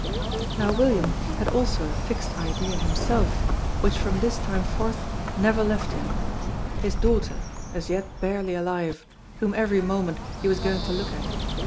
Now William had also a fixed idea himself which from this time forth never left him his daughter, as yet barely alive, whom every moment he was going to look at.